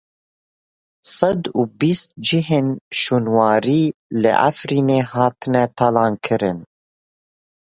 Sed û bîst cihên şûnwarî li Efrînê hatine talankirin.